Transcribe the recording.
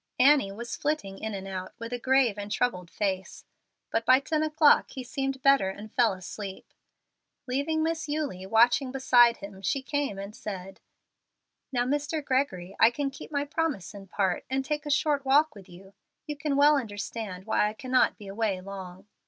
Annie was flitting in and out with a grave and troubled face. But by ten o'clock he seemed better and fell asleep. Leaving Miss Eulie watching beside him, she came and said, "Now, Mr. Gregory, I can keep my promise in part, and take a short walk with you. You can well understand why I cannot be away long."